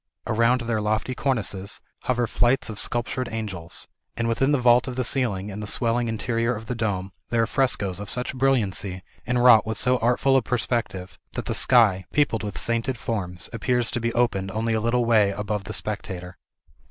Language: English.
Around their lofty cornices hover flights of sculptured angels; and within the vault of the ceiling and the swelling interior of the dome, there are frescos of such brilliancy, and wrought with so artful a perspective, that the sky, peopled with sainted forms, appears to be opened only a little way above the spectator.